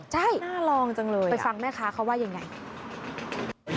ใช่ไปฟังแม่ค้าเขาว่าอย่างไรน่ารองจังเลย